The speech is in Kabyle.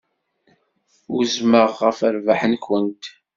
Usmeɣ ɣef rrbeḥ-nkent.